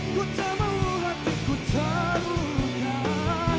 ku tak mau hatiku terluka